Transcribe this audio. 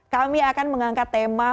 kami akan mengangkat tema